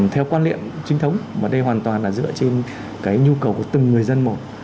theo quan liệm trinh thống và đây hoàn toàn là dựa trên cái nhu cầu của từng người dân một